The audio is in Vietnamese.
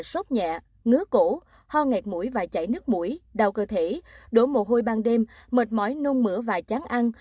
sốt nhẹ ngứa cổ ho ngạt mũi và chảy nước mũi đau cơ thể đổ mồ hôi ban đêm mệt mỏi nung mửa và chán ăn